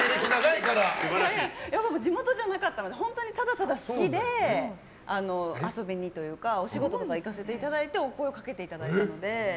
地元じゃなかったので本当にただただ好きで遊びにというかお仕事とか行かせていただいてお声をかけていただいたので。